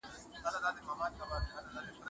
د سیاست پر علمي والي خبرې اترې وسوې.